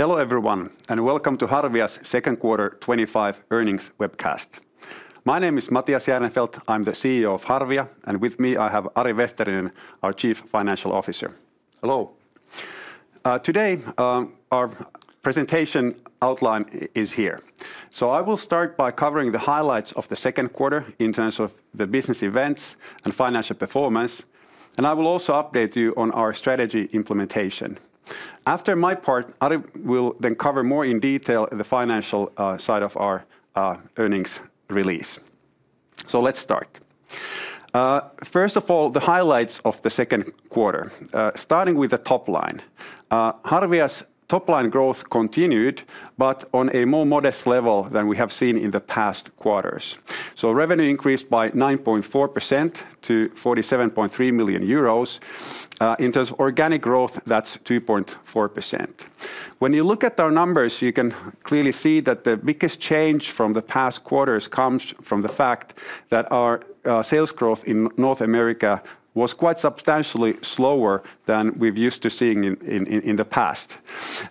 Hello, everyone, and welcome to Harvia's Second Quarter twenty twenty five Earnings Webcast. My name is Matthias Jahrenfelt. I'm the CEO of Harvia. And with me, I have Ari Westerinen, our Chief Financial Officer. Hello. Today, our presentation outline is here. So I will start by covering the highlights of the second quarter in terms of the business events and financial performance. And I will also update you on our strategy implementation. After my part, Ari will then cover more in detail the financial side of our earnings release. So let's start. First of all, the highlights of the second quarter. Starting with the top line. Harviya's top line growth continued, but on a more modest level than we have seen in the past quarters. So revenue increased by 9.4% to €47,300,000 In terms of organic growth, that's 2.4%. When you look at our numbers, you can clearly see that the biggest change from the past quarters comes from the fact that our sales growth in North America was quite substantially slower than we've used to seeing in the past.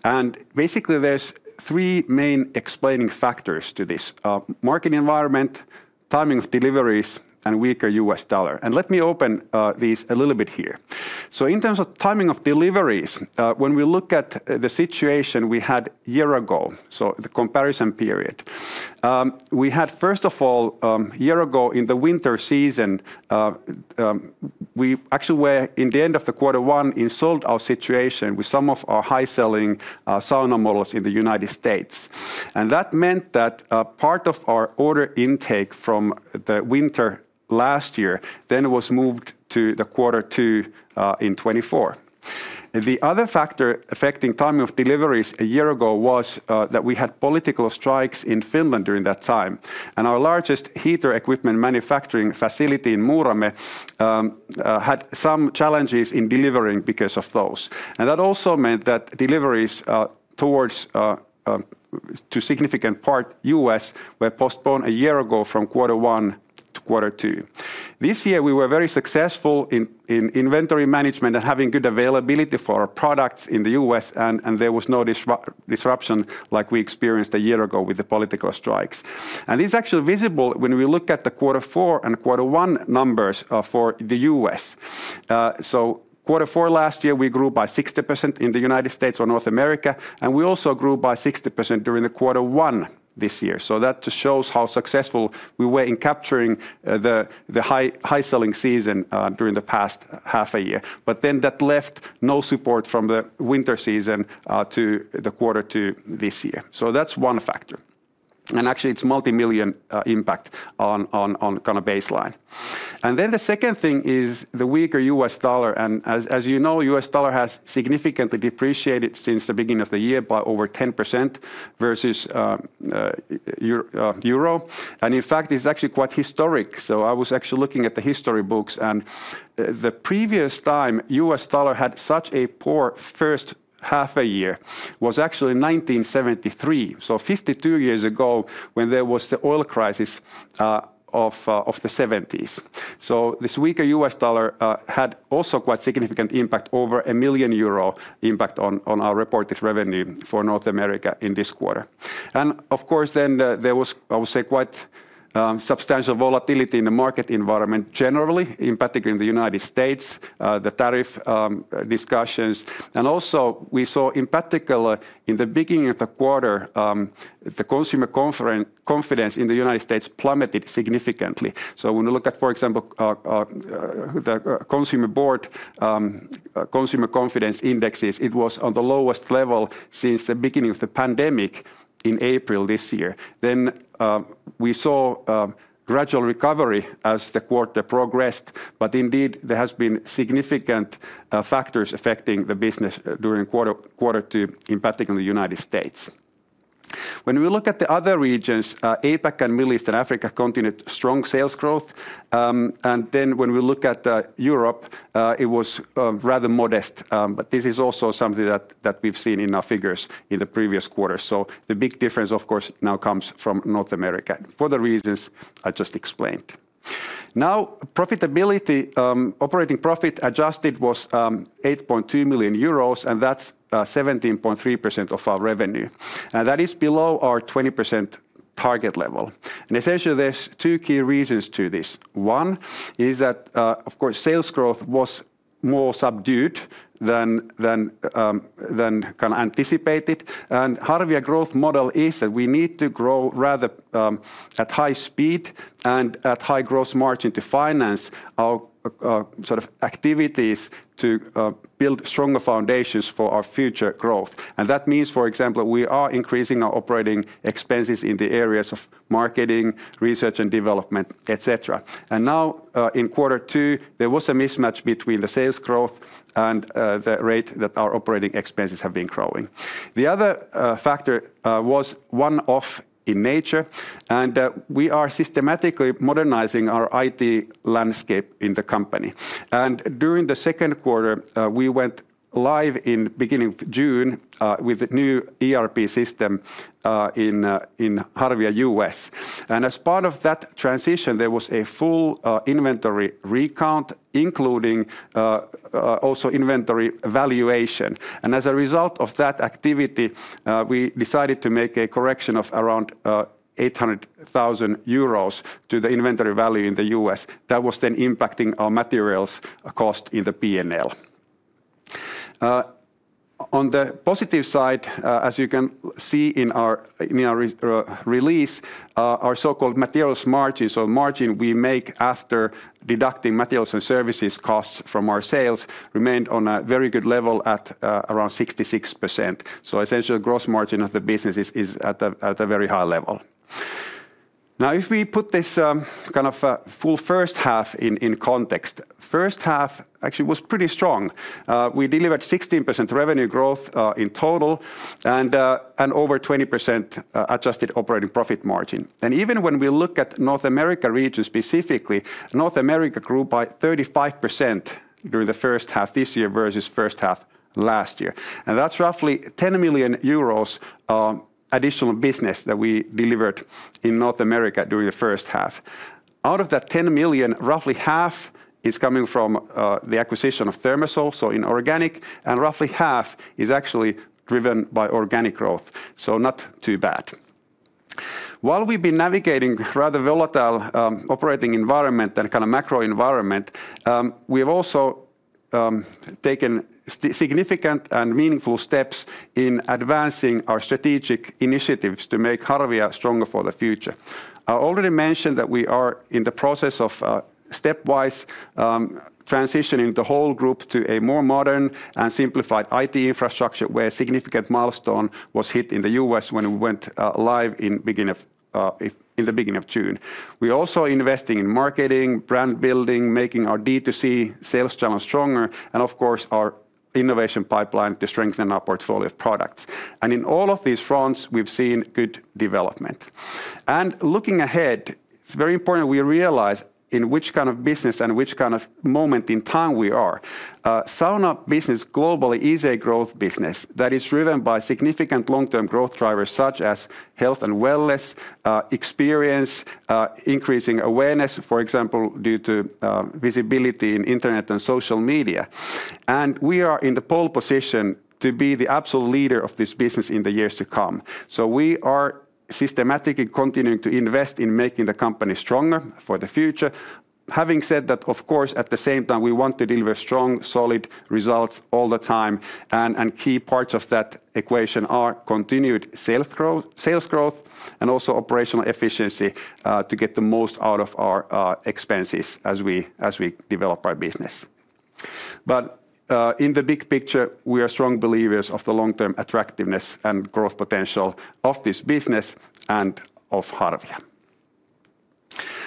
And basically there's three main explaining factors to this: market environment, timing of deliveries and weaker U. S. Dollar. And let me open these a little bit here. So in terms of timing of deliveries, when we look at the situation we had a year ago, so the comparison period, We had first of all a year ago in the winter season, we actually were in the end of the quarter one installed our situation with some of our high selling sauna models in The United States. And that meant that part of our order intake from the winter last year then was moved to the quarter two in 2024. The other factor affecting timing of deliveries a year ago political strikes in Finland during that time. And our largest heater equipment manufacturing facility in Murame had some challenges in delivering because of those. And that also meant that deliveries towards to significant part U. S. Were postponed a year ago from quarter one to quarter two. This year, we were very successful in inventory management and having good availability for our products in The U. S. And there was no disruption like we experienced a year ago with the political strikes. And it's actually visible when we look at the quarter four and quarter one numbers for The U. S. So quarter four last year, we grew by 60% in The United States or North America And we also grew by 60% during the quarter one this year. So that just shows how successful we were in capturing the high selling season during the past half a year. But then that left no support from the winter season to the quarter two this year. So that's one factor. And actually it's multimillion impact on kind of baseline. And then the second thing is the weaker U. S. Dollar. And as you know U. S. Dollar has significantly depreciated since the beginning of the year by over 10% versus euro. And in fact, it's actually quite historic. So I was actually looking at the history books. And the previous time U. S. Dollar had such a poor first half a year was actually 1973, so fifty two years ago when there was the oil crisis of the 1970s. So this weaker U. S. Dollar had also quite significant impact over €1,000,000 impact on our reported revenue for North America in this quarter. And of course then there was I would say quite substantial volatility in the market environment generally in particular in The United States, the tariff discussions. And also we saw in particular in the beginning of the quarter, the consumer confidence in The United States plummeted significantly. So when you look at for example the Consumer Board, Consumer Confidence Indexes, it was on the lowest level since the beginning of the pandemic in April. Then we saw gradual recovery as the quarter progressed, but indeed there has been significant factors affecting the business during quarter two impacting The United States. When we look at the other regions, APAC and Middle East and Africa continued strong sales growth. And then when we look at Europe, was rather modest. But this is also something that we've seen in our figures in the previous quarter. So the big difference of course now comes from North America for the reasons I just explained. Now profitability operating profit adjusted was €8,200,000 and that's 17.3% of our revenue. And that is below our 20% target level. And essentially, there's two key reasons to this. One is that, of course, sales growth was more subdued than kind of anticipated. And Haravia growth model is that we need to grow rather at high speed and at high gross margin to finance our sort of activities to build stronger foundations for our future growth. And that means, for example, we are increasing our operating expenses in the areas of marketing, research and development, etcetera. And now in quarter two, there was a mismatch between the sales growth and the rate that our operating expenses have been growing. The other factor was one off in nature and we are systematically modernizing our IT landscape in the company. And during the second quarter, we went live in June with new ERP system in Harvia U. S. And as part of that transition, there was a full inventory recount including also inventory valuation. And as a result of that activity, we decided to make a correction of around €800,000 to the inventory value in The U. S. That was then impacting our materials cost in the P and L. On the positive side, as you can see in release, our so called materials margin, so margin we make after deducting Materials and Services costs from our sales remained on a very good level at around 66%. So essentially, gross margin of the business is at a very high level. Now if we put this kind of full first half in context, first half actually was pretty strong. We delivered 16% revenue growth in total and over 20% adjusted operating profit margin. And even when we look at North America region specifically, North America grew by 35% during the first half this year versus first half last year. And that's roughly €10,000,000 additional business that we delivered in North America during the first half. Out of that €10,000,000 roughly half is coming from the acquisition of Thermosol, so inorganic, and roughly half is actually driven by organic growth, so not too bad. While we've been navigating rather volatile operating environment and kind of macro environment, we have also taken significant and meaningful steps in advancing our strategic initiatives to make Harovia stronger for the future. I already mentioned that we are in the process of stepwise transitioning the whole group to a more modern and simplified IT infrastructure where significant milestone was hit in The U. S. When we went live in the June. We're also investing in marketing, brand building, making our DTC sales channel stronger and of course our innovation pipeline to strengthen our portfolio of products. And in all of these fronts, we've seen good development. And looking ahead, it's very important we realize in which kind of business and which kind of moment in time we are. Sauna business globally is a growth business that is driven by significant long term growth drivers such as health and wellness, experience, increasing awareness, for example, due to visibility in Internet and social media. And we are in the pole position to be the absolute leader of this business in the years to come. So we are systematically continuing to invest in making the company stronger for the future. Having said that, of course, at the same time, we want to deliver strong solid results all the time. And key parts of that equation are continued sales growth and also operational efficiency to get the most out of our expenses as we develop our business. But in the big picture, we are strong believers of the long term attractiveness and growth potential of this business and of Harvja.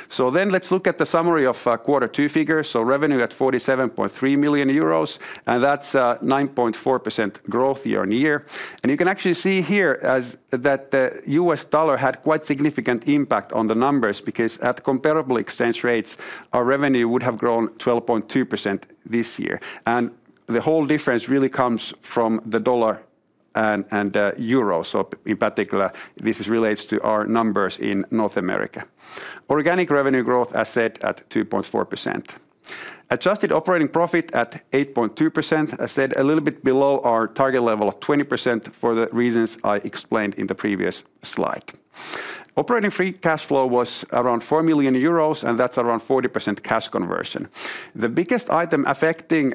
So then let's look at the summary of quarter two figures. So revenue at €47,300,000 and that's 9.4% growth year on year. And you can actually see here that U. S. Dollar had quite significant impact on the numbers because at comparable exchange rates, our revenue would have grown 12.2% this year. And the whole difference really comes from the dollar and euro. So in particular, this relates to our numbers in North America. Organic revenue growth as said at 2.4%. Adjusted operating profit at 8.2%, as said a little bit below our target level of 20% for the reasons I explained in the previous slide. Operating free cash flow was around €4,000,000 and that's around 40% cash conversion. The biggest item affecting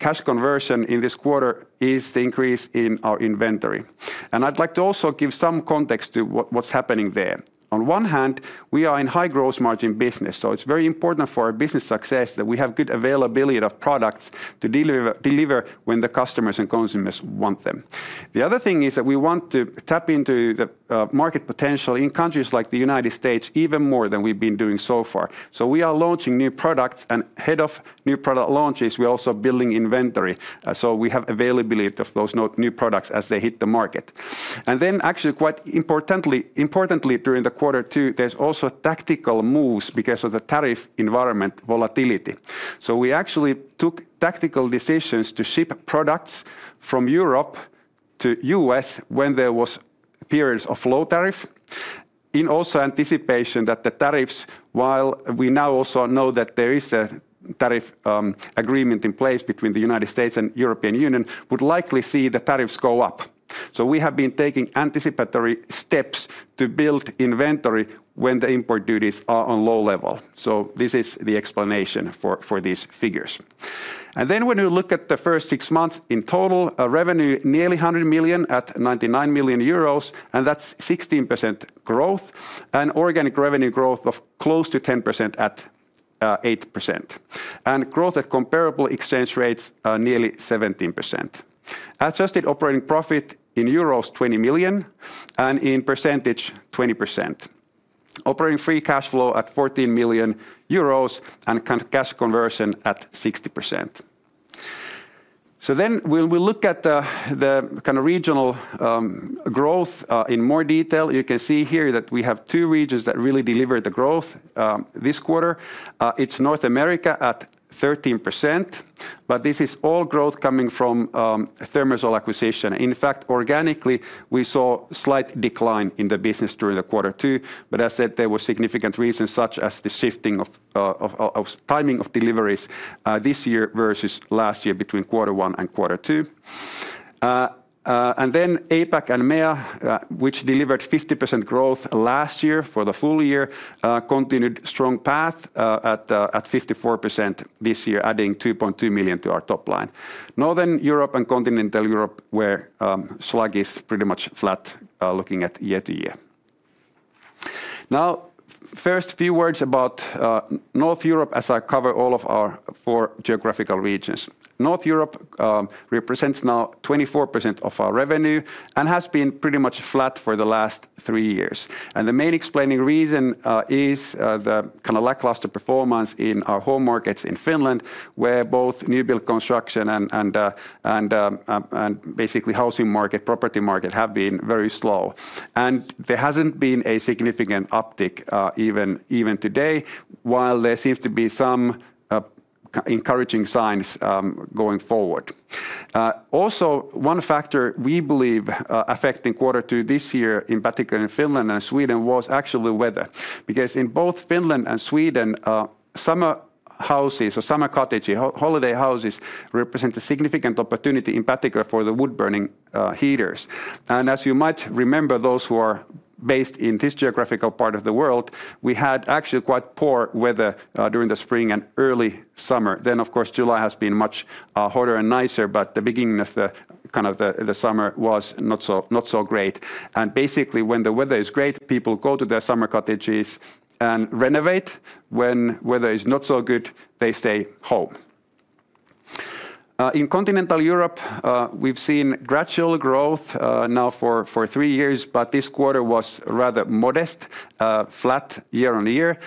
cash conversion in this quarter is the increase in our inventory. And I'd like to also give some context to what's happening there. On one hand, we are in high gross margin business. So it's very important for our business success that we have good availability of products to deliver when the customers and consumers want them. The other thing is that we want to tap into the market potential in countries like The United States even more than we've been doing so far. So we are launching new products. And ahead of new product launches, we're also building inventory. So we have availability of those new products as they hit the market. And then actually quite importantly during the quarter two, there's also tactical moves because of the tariff environment volatility. So we actually took tactical decisions to ship products from Europe to U. S. When there was periods of low tariff in also anticipation that the tariffs while we now also know that there is a tariff agreement in place between The United States and European Union would likely see the tariffs go up. So we have been taking anticipatory steps to build inventory when the import duties are on low level. So this is the explanation for these figures. And then when you look at the first six months in total, revenue nearly €100,000,000 at €99,000,000 and that's 16% growth and organic revenue growth of close to 10% at 8% and growth at comparable exchange rates nearly 17%. Adjusted operating profit in euros €20,000,000 and in percentage 20%. Operating free cash flow at €14,000,000 and cash conversion at 60%. So then when we look at the kind of regional growth in more detail, you can see here that we have two regions that really delivered the growth this quarter. It's North America at 13%, but this is all growth coming from Thermosol acquisition. In fact, organically, we saw a slight decline in the business during the quarter two. But as said, there were significant reasons such as the shifting of timing of deliveries this year versus last year between quarter one and quarter two. And then APAC and EMEA, which delivered 50% growth last year for the full year continued strong path at 54% this year adding €2,200,000 to our top line. Northern Europe and Continental Europe were sluggish pretty much flat looking at year to year. Now first few words about North Europe as I cover all of our four geographical regions. North Europe represents now 24% of our revenue and has been pretty much flat for the last three years. And the main explaining reason is the kind of lackluster performance in our home markets in Finland where both new build construction and basically housing market, property market have been very slow. And there hasn't been a significant uptick even today, while there seems to be some encouraging signs going forward. Also, one factor we believe affecting quarter two this year in particular in Finland and Sweden was actually weather. Because in both Finland and Sweden, summer houses or summer cottage, holiday houses represent a significant opportunity in particular for the wood burning heaters. And as you might remember, those who are based in this geographical part of the world, we had actually quite poor weather during the spring and early summer. Then of course July has been much hotter and nicer, but the beginning of the kind of the summer was not so great. And basically when the weather is great, people go to their summer cottages and renovate. When weather is not so good, they stay home. In Continental Europe, we've seen gradual growth now for three years, but this quarter was rather modest, flat year on year.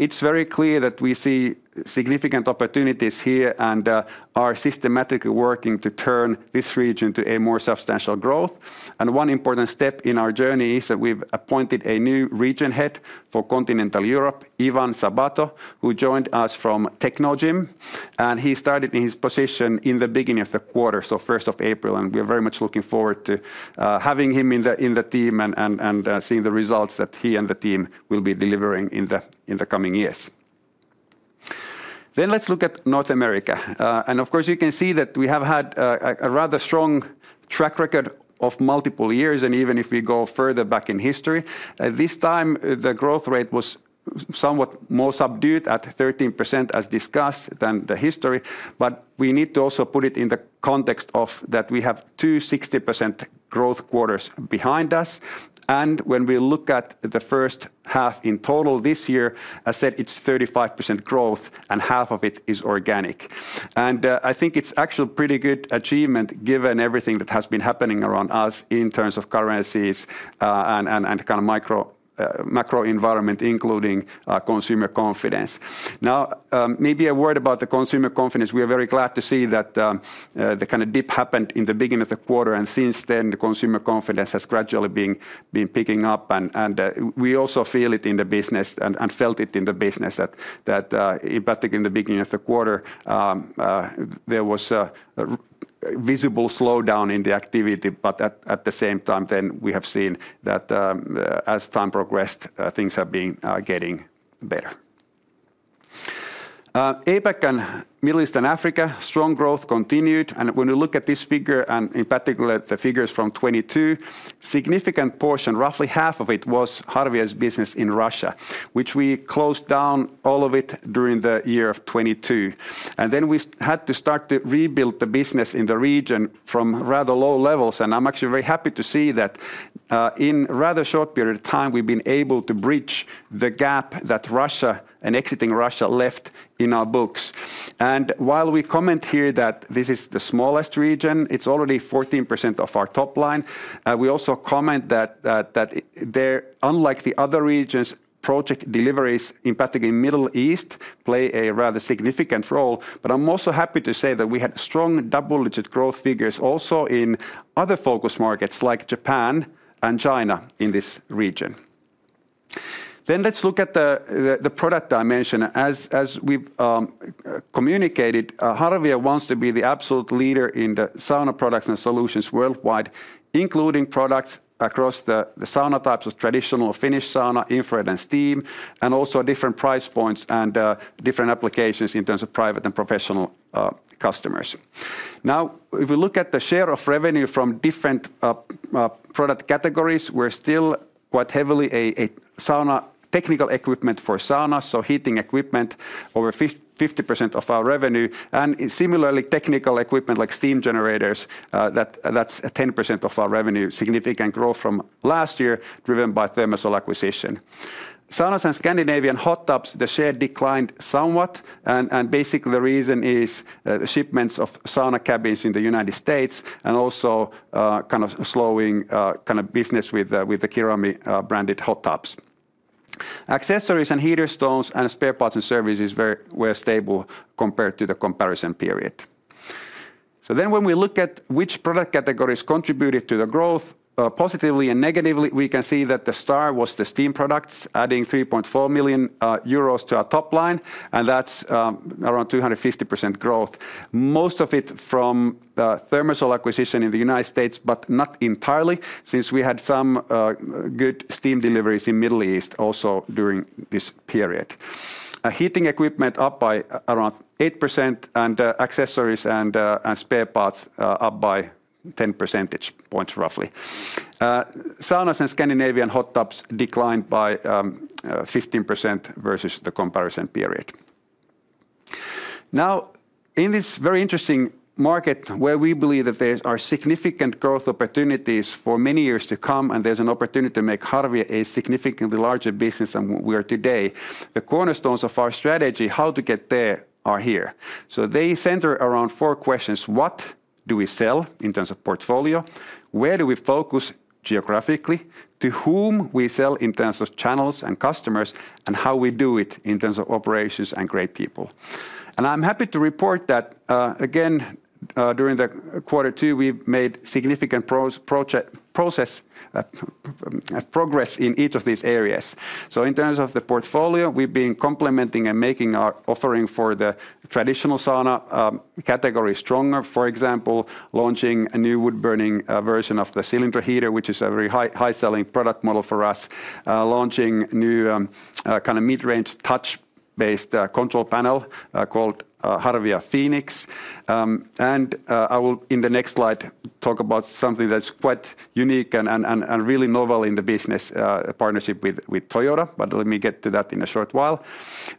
It's very clear that we see significant opportunities here and are systematically working to turn this region to a more substantial growth. And one important step in our journey is that we've appointed a new region head for Continental Europe, Ivan Sabato, who joined us from Technogym. And he started his position in the beginning of the quarter, so April 1. And we are very much looking forward to having him in the team and seeing the results that he and the team will be delivering in the coming years. Then let's look at North America. And of course, you can see that we have had a rather strong track record of multiple years. And even if we go further back in history, this time the growth rate was somewhat more subdued at 13 as discussed than the history, but we need to also put it in the context of that we have 260% growth quarters behind us. And when we look at the first half in total this year, I said it's 35% growth and half of it is organic. And I think it's actually pretty good achievement given everything that has been happening around us in terms of currencies and kind of macro environment including consumer confidence. Now maybe a word about the consumer confidence. We are very glad to see that the kind of dip happened in the beginning of the quarter. And since then, the consumer confidence has gradually been picking up. And we also feel it in the business and felt it in the business that, I think, in the beginning of the quarter, there was a visible slowdown in the activity. But at the same time then, we have seen that as time progressed things have been getting better. APAC and Middle East and Africa, strong growth continued. And when you look at this figure and in particular the figures from 2022, significant portion, roughly half of it was Harveye's business in Russia, which we closed down all of it during the year of 2022. And then we had to start to rebuild the business in the region from rather low levels. And I'm actually very happy to see that in a rather short period of time, we've been able to bridge the gap that Russia and exiting Russia left in our books. And while we comment here that this is the smallest region, it's already 14% of our top line. We also comment that there unlike the other regions, project deliveries impacting Middle East play a rather significant role. But I'm also happy to say that we had strong double digit growth figures also in other focused markets like Japan and China in this region. Then let's look at the product dimension. As we've communicated, Haravia wants to be the absolute leader in the sauna products and solutions worldwide, including products across the sauna types of traditional Finnish sauna, infrared and steam and also different price points and different applications in terms of private and professional customers. Now if we look at the share of revenue from different product categories, we're still quite heavily a sauna technical equipment for sauna, so heating equipment over 50% of our revenue. And similarly technical equipment like steam generators that's 10% of our revenue, significant growth from last year driven by Thermacell acquisition. Saunas and Scandinavian hot tubs, the share declined somewhat. And basically the reason is the shipments of sauna cabins in The United States and also kind of slowing kind of business with the KIRAMI branded hot tubs. Accessories and heater stones and spare parts and services were stable compared to the comparison period. So then when we look at which product categories contributed to the growth positively and negatively, we can see that the star was the steam products adding €3,400,000 to our top line and that's around 250% growth. Most of it from the Thermosol acquisition in The United States, but not entirely since we had some good steam deliveries in Middle East also during this period. Heating equipment up by around 8% and accessories and spare parts up by 10 percentage points roughly. Saunas and Scandinavian hot tubs declined by 15% versus the comparison period. Now in this very interesting market where we believe that there are significant growth opportunities for many years to come and there's an opportunity to make Harvier a significantly larger business than we are today, the cornerstones of our strategy how to get there are here. So they center around four questions: What do we sell in terms of portfolio? Where do we focus geographically? To whom we sell in terms of channels and customers? And how we do it in terms of operations and great people? And I'm happy to report that, again, during the quarter two, we've made significant process progress in each of these areas. So in terms of the portfolio, we've been complementing and making our offering for the traditional sauna category stronger, for example, launching a new wood burning version of the cylinder heater, which is a very high selling product model for us launching new kind of mid range touch based control panel called Harvia Phoenix. And I will, in the next slide, talk about something that's quite unique and really novel in the business partnership with Toyota, but let me get to that in a short while.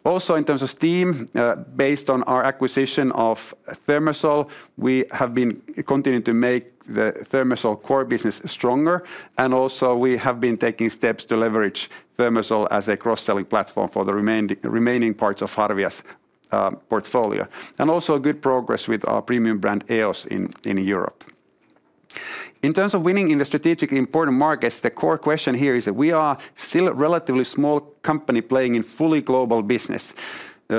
Also in terms of steam, based on our acquisition of Thermosol, we have been continuing to make the Thermosol core business stronger. And also we have been taking steps to leverage Thermosol as a cross selling platform for the remaining parts of Harvia's portfolio and also good progress with our premium brand EOS in Europe. In terms of winning in the strategically important markets, the core question here is that we are still a relatively small company playing in fully global business.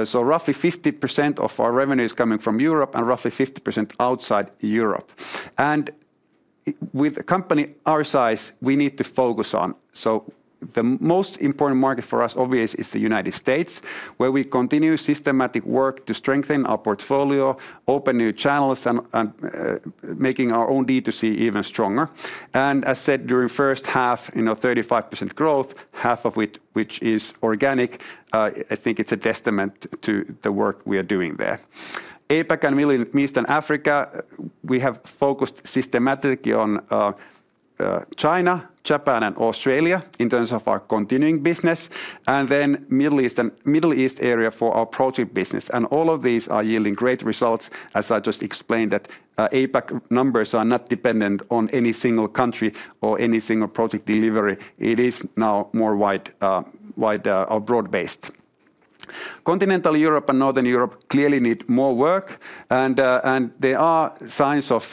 So roughly 50% of our revenue is coming from Europe and roughly 50% outside Europe. And with a company our size, we need to focus on. So the most important market for us obviously is The United States where we continue systematic work to strengthen our portfolio, open new channels and making our own D2C even stronger. And as said during first half, 35% growth, half of it which is organic, I think it's a testament to the work we are doing there. APAC and Middle East and Africa, we have focused systematically on China, Japan and Australia in terms of our continuing business and then Middle East area for our project business. And all of these are yielding great results as I just explained that APAC numbers are not dependent on any single country or any single project delivery. It is now more wide or broad based. Continental Europe and Northern Europe clearly need more work. And there are signs of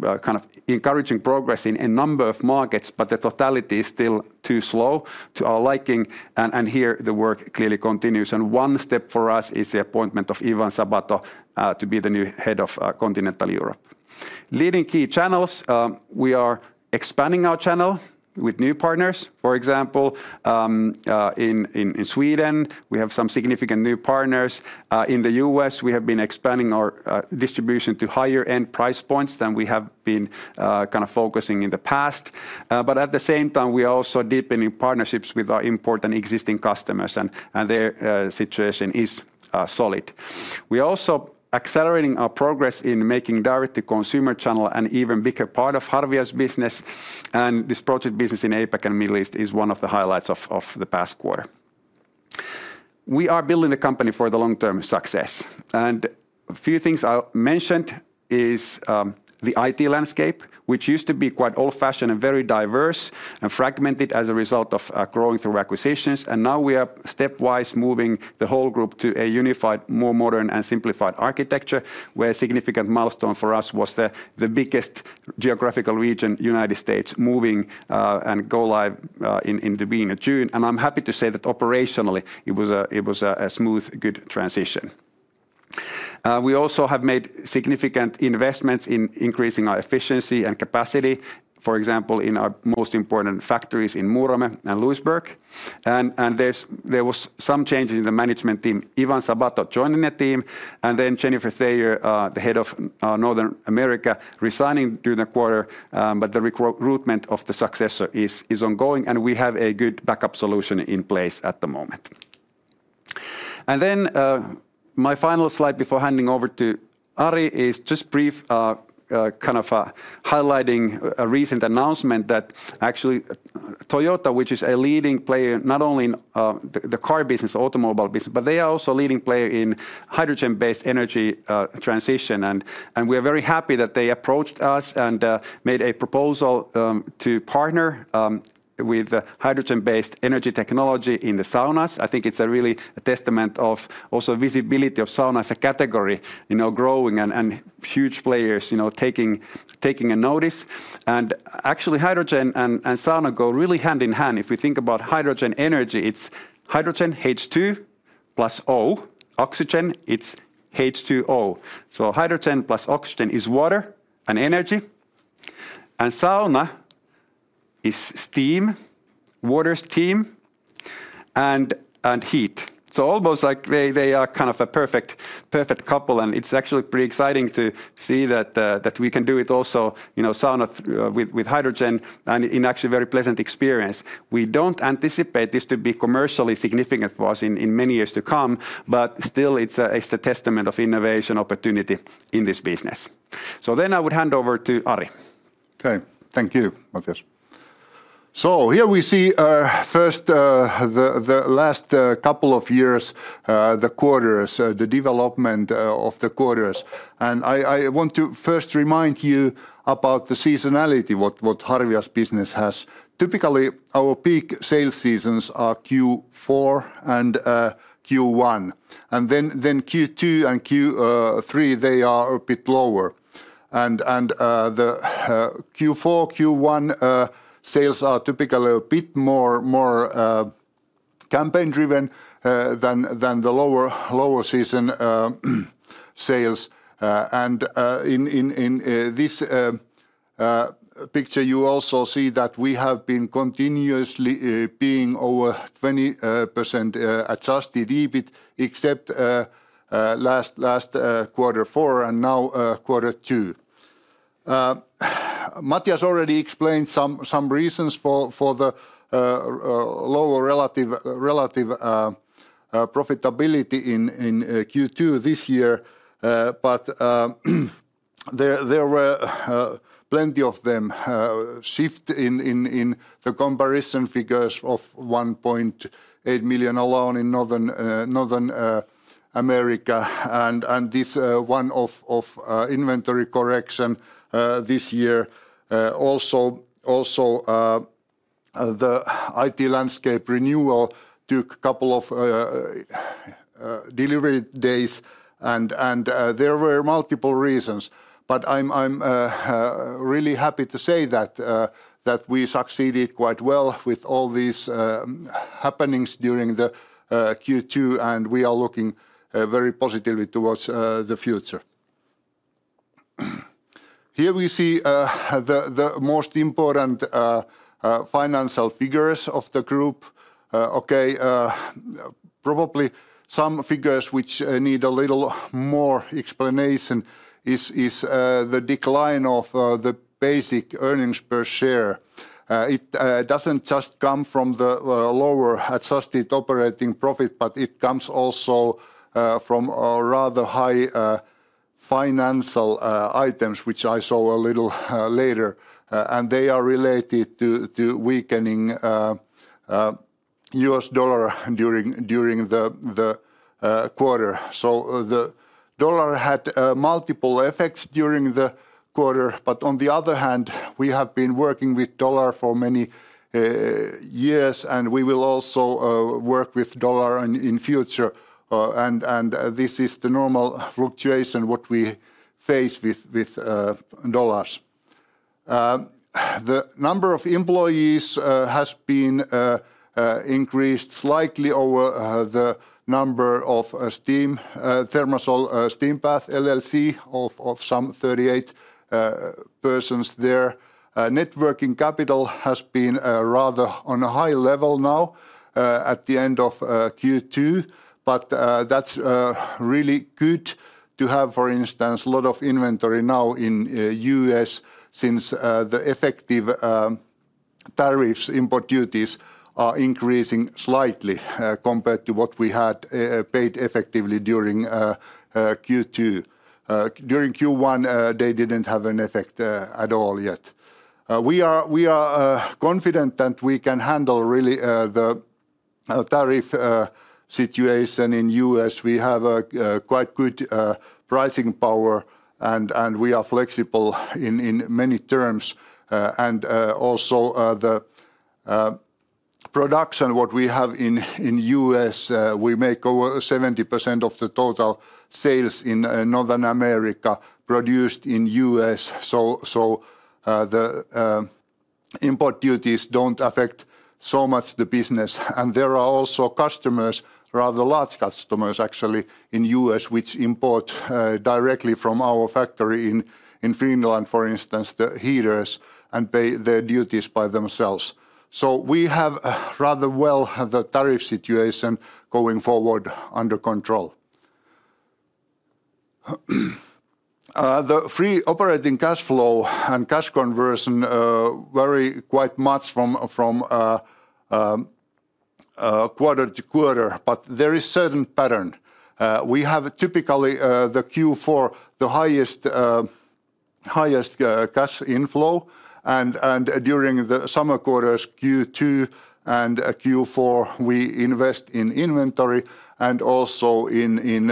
kind of encouraging progress in a number of markets, but the totality is still too slow to our liking. And here the work clearly continues. And one step for us is the appointment of Ivan Sabato to be the new Head of Continental Europe. Leading key channels. We are expanding our channel with new partners. For example, in Sweden, we have some significant new partners. In The U. S, we have been expanding our distribution to higher end price points than we have been kind of focusing in the past. But at the same time, we are also deepening partnerships with our important existing customers and their situation is solid. We're also accelerating our progress in making direct to consumer channel an even bigger part of Harvias business. And this project business in APAC and Middle East is one of the highlights of the past quarter. We are building the company for the long term success. And a few things I mentioned is the IT landscape, which used to be quite old fashioned and very diverse and fragmented as a result of growing through acquisitions. And now we are stepwise moving the whole group to a unified, more modern and simplified architecture where a significant milestone for us was the biggest geographical region United States moving and go live in the June. And I'm happy to say that operationally, it a smooth good transition. We also have made significant investments in increasing our efficiency and capacity, for example, in our most important factories in Murame and Lewisburg. And there was some change in the management team. Ivan Sabato joining the team and then Jennifer Thayer, the Head of Northern America resigning during the quarter, but the recruitment of the successor is ongoing and we have a good backup solution in place at the moment. And then my final slide before handing over to Ari is just brief kind of highlighting a recent announcement that actually Toyota, which is a leading player not only in the car business, automobile business, but they are also a leading player in hydrogen based energy transition. And we are very happy that they approached us and made a proposal to partner with hydrogen based energy technology in the saunas. I think it's really a testament of also visibility of sauna as a category growing and huge players taking a notice. And actually hydrogen and sauna go really hand in hand. If we think about hydrogen energy, it's hydrogen H2 plus O oxygen, it's H2O. So hydrogen plus oxygen is water and energy. And sauna is steam, water steam and heat. So almost like they are kind of a perfect couple. And it's actually pretty exciting to see that we can do it also in Sauna with hydrogen and in actually very pleasant experience. We don't anticipate this to be commercially significant for us in many years to come, but still it's a testament of innovation opportunity in this business. So then I would hand over to Ari. Okay. Thank you, Markus. So here we see first the last couple of years the quarters, the development of the quarters. And I want to first remind you about the seasonality, what Harvias business has. Typically, our peak sales seasons are Q4 and Q1. And then Q2 and Q3, they are a bit lower. And the Q4, Q1 sales are typically a bit more campaign driven than the lower season sales. And in this picture, you also see that we have been continuously paying over 20% adjusted EBIT except last quarter four and now quarter two. Matthias already explained some reasons for the lower relative profitability in Q2 this year, but there were plenty of them, shift in the comparison figures of €1,800,000 alone in Northern America. And this one off of inventory correction this year. Also, the IT landscape renewal took a couple of delivery days, and there were multiple reasons. But I'm really happy to say that we succeeded quite well with all these happenings during the Q2, and we are looking very positively towards the future. Here, we see the most important financial figures of the group, okay? Probably some figures which need a little more explanation is the decline of the basic earnings per share. It doesn't just come from the lower adjusted operating profit, but it comes also from rather high financial items, which I saw a little later. And they are related to weakening U. S. Dollar during the quarter. So the dollar had multiple effects during the quarter. But on the other hand, we have been working with dollar for many years, and we will also work with dollar in future. And this is the normal fluctuation what we face with dollars. The number of employees has been increased slightly over the number of steam ThermaSol Steampath LLC of some 38 persons there. Net working capital has been rather on a high level now at the end of Q2, but that's really good to have, for instance, a lot of inventory now in U. S. Since the effective tariffs import duties are increasing slightly compared to what we had paid effectively during Q2. During Q1, they didn't have an effect at all yet. We are confident that we can handle really the tariff situation in U. S. We have quite good pricing power, and we are flexible in many terms. And also the production what we have in U. S, we make over 70% of the total sales in Northern America produced in U. S. So the import duties don't affect so much the business. And there are also customers, rather large customers actually in U. S, which import directly from our factory in Finland, for instance, the heaters and pay their duties by themselves. So we have rather well the tariff situation going forward under control. The free operating cash flow and cash conversion vary quite much from quarter to quarter, but there is certain pattern. We have typically the Q4, the highest cash inflow. And during the summer quarters, Q2 and Q4, we invest in inventory and also in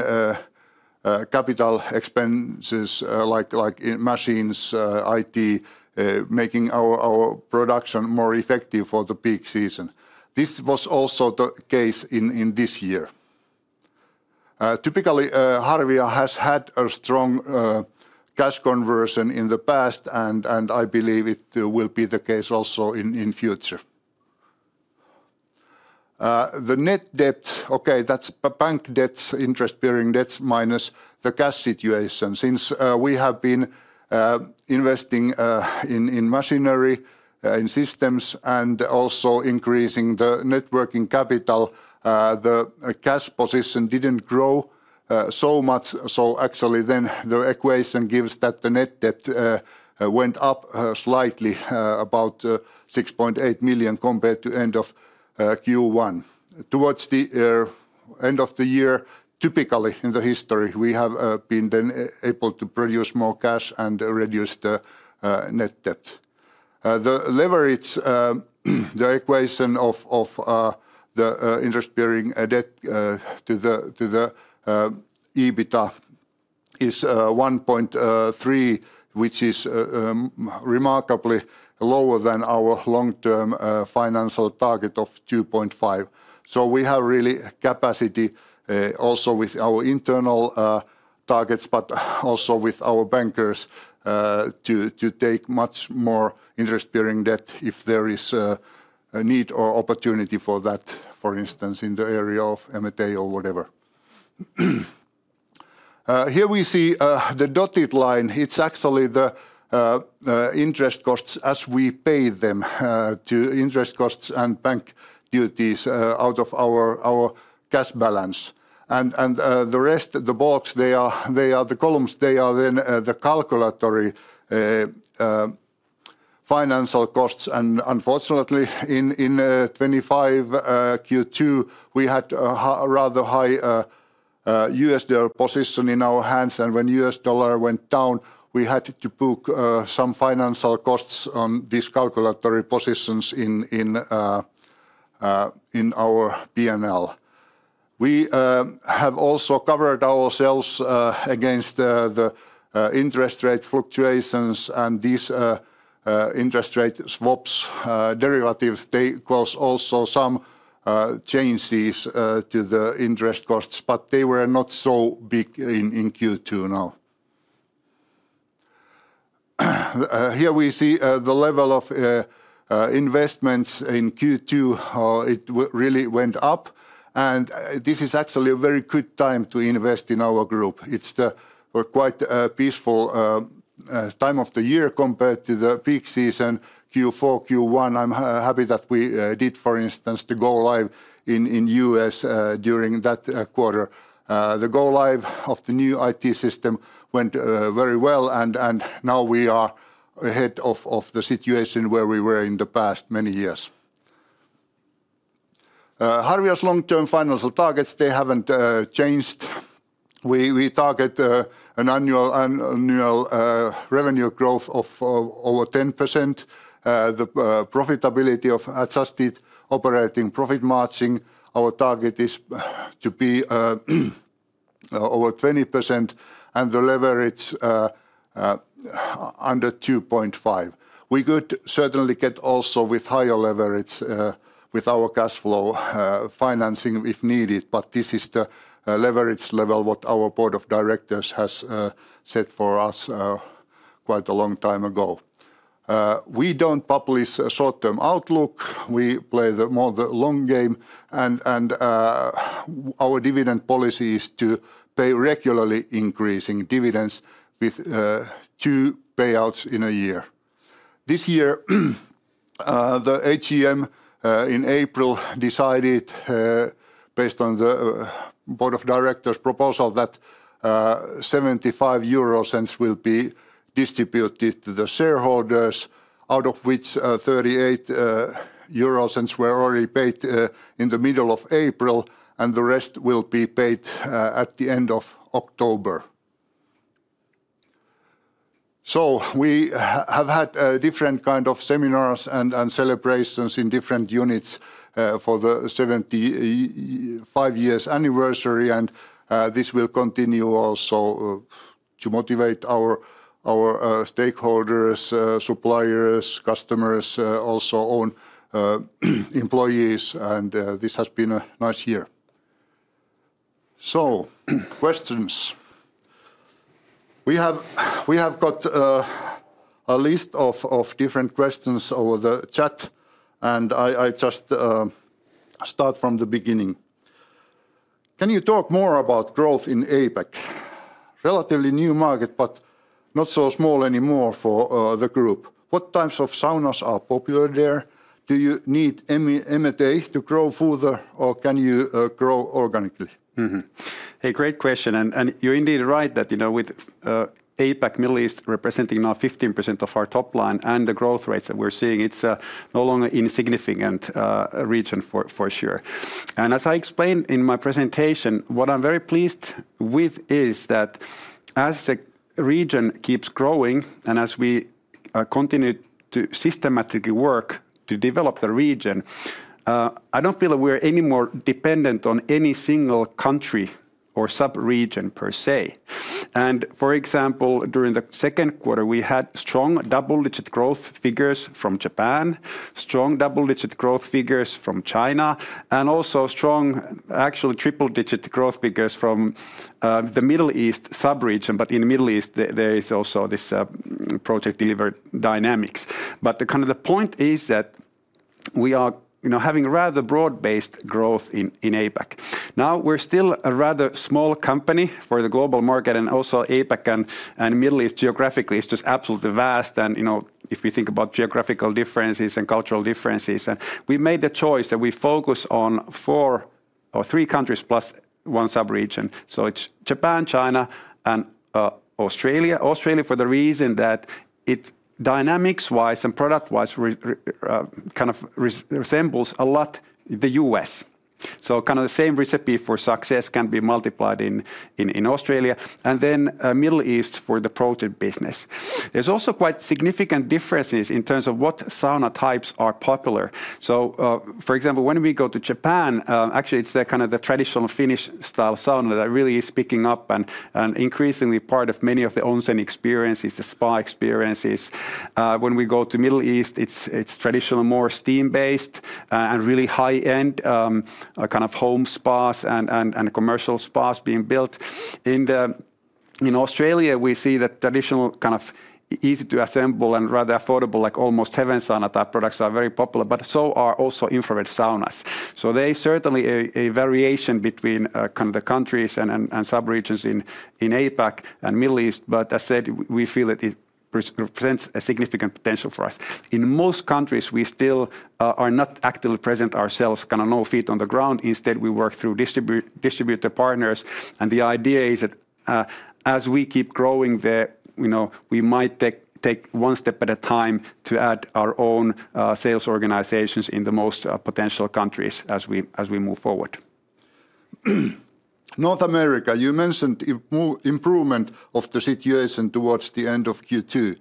capital expenses like machines, IT, making our production more effective for the peak season. This was also the case in this year. Typically, Harviya has had a strong cash conversion in the past, and I believe it will be the case also in future. The net debt, okay, that's bank debt, bearing debt minus the cash situation. Since we have been investing in machinery, in systems and also increasing the net working capital, the cash position didn't grow so much. So actually then the equation gives that the net debt went up slightly about €6,800,000 compared to end of Q1. Towards the end of the year, typically in the history, we have been then able to produce more cash and reduce the net debt. The leverage, the equation of the interest bearing debt to the EBITDA is 1.3, which is remarkably lower than our long term financial target of 2.5. So we have really capacity also with our internal targets, but also with our bankers to take much more interest bearing debt if there is a need or opportunity for that, for instance, in the area of M and A or whatever. Here, we see the dotted line. It's actually the interest costs as we pay them to interest costs and bank duties out of our cash balance. And the rest, the box, are the columns, they are then the calculatory financial costs. And unfortunately, in twenty five Q2, we had a rather high U. S. Dollar position in our hands. And when U. S. Dollar went down, we had to book some financial costs on these calculatory positions in our P and L. We have also covered ourselves against the interest rate fluctuations. And these interest rate swaps derivatives, they caused also some changes to the interest costs, but they were not so big in Q2 now. Here, we see the level of investments in Q2. It really went up. And this is actually a very good time to invest in our group. It's quite a peaceful time of the year compared to the peak season, Q4, Q1. I'm happy that we did, for instance, the go live in U. S. During that quarter. The go live of the new IT system went very well, and now we are ahead of the situation where we were in the past many years. Harvias' long term financial targets, they haven't changed. We target an annual revenue growth of over 10%. The profitability of adjusted operating profit margin, our target is to be over 20% and the leverage under 2.5. We could certainly get also with higher leverage with our cash flow financing if needed, but this is the leverage level what our Board of Directors has set for us quite a long time ago. We don't publish a short term outlook. We play more the long game. And our dividend policy is to pay regularly increasing dividends with two payouts in a year. This year, the AGM in April decided based on the Board of Directors' proposal that EUR $0.07 5 will be distributed to the shareholders, out of which 38 euro were already paid in the April and the rest will be paid at the October. So we have had different kind of seminars and celebrations in different units for the seventy five years anniversary, and this will continue also to motivate our stakeholders, suppliers, customers, also own employees, and this has been a nice year. So questions. We have got a list of different questions over the chat, and I just start from the beginning. Can you talk more about growth in APAC? Relatively new market, but not so small anymore for the group. What types of saunas are popular there? Do you need M and A to grow further? Or can you grow organically? Hey, great question. And you're indeed right that with APAC, Middle East representing now 15% of our top line and the growth rates that we're seeing, it's no longer insignificant region for sure. And as I explained in my presentation, what I'm very pleased with is that as the region keeps growing and as we continue to systematically work to develop the region, I don't feel that we are any more dependent on any single country or sub region per se. And for example, during the second quarter, we had strong double digit growth figures from Japan, strong double digit growth figures from China and also strong actually triple digit growth figures from the Middle East sub region. But in The Middle East, there is also this project delivered dynamics. But the kind of the point is that we are having rather broad based growth in APAC. Now we're still a rather small company for the global market and also APAC and Middle East geographically. It's just absolutely vast. And if we think about geographical differences and cultural differences, we made the choice that we focus on four or three countries plus one sub region. So it's Japan, China and Australia. Australia for the reason that it dynamics wise and product wise kind of resembles a lot The U. S. So kind of the same recipe for success can be multiplied Australia and then Middle East for the protein business. There's also quite significant differences in terms of what sauna types are popular. So for example, when we go to Japan, actually it's the kind of the traditional Finnish style sauna that really is picking up and increasingly part of many of the onsen experiences, the spa experiences. When we go to Middle East, it's traditional more steam based and really high end kind of home spas and commercial spas being built. In Australia, we see that traditional kind of easy to assemble and rather affordable like almost heaven sauna type products are very popular, but so are also infrared saunas. So there is certainly a variation between kind of the countries and sub regions in APAC and Middle East. But as said, we feel that it represents a significant potential for us. In most countries, we still are not actively present ourselves kind of no feet on the ground. Instead, we work through distributor partners. And the idea is that as we keep growing there, we might take one step at a time to add our own sales organizations in the most potential countries as we move forward. North America, you mentioned improvement of the situation towards the end of Q2.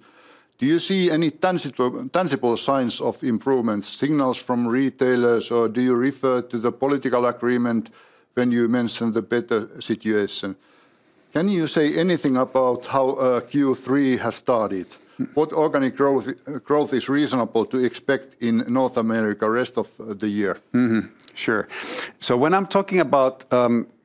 Do you see any tangible signs of improvement signals from retailers? Or do you refer to the political agreement when you mentioned the better situation? Can you say anything about how Q3 has started? What organic growth is reasonable to expect in North America rest of the year? Sure. So when I'm talking about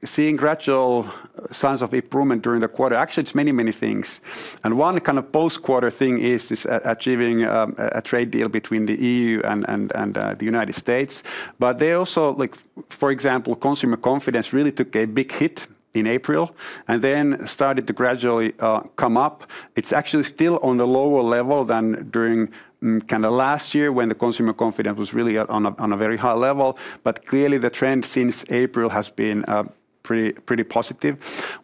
seeing gradual signs of improvement during the quarter, actually it's many, many things. And one kind of post quarter thing is achieving a trade deal between the EU and The United States. But they also like for example, consumer confidence really took a big hit in April and then started to gradually come up. It's actually still on the lower level than during kind of last year when the consumer confidence was really on a very high level. But clearly, the trend since April has been pretty positive.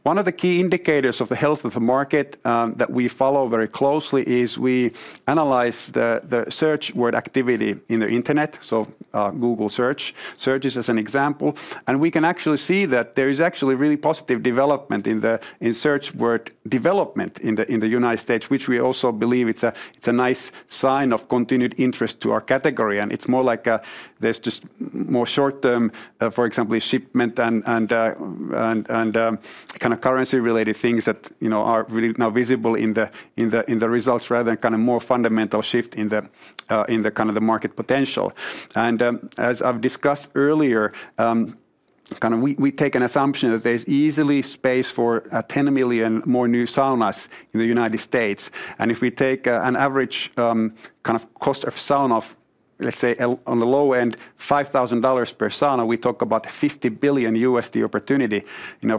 One of the key indicators of the health of the market that we follow very closely is we analyze the search word activity in the Internet, so Google search. Search is as an example. And we can actually see that there is actually really positive development in the search word development in The United States, which we also believe it's a nice sign of continued interest to our category. And it's more like there's just more short term, for example, shipment and kind of currency related things that are really now visible in the results rather than kind of more fundamental shift in the kind of the market potential. And as I've discussed earlier, kind of we take an assumption that there's easily space for 10,000,000 more new saunas in The United States. And if we take an average kind of cost of sauna off, let's say, on the low end $5,000 per sauna, we talk about 50,000,000,000 USD opportunity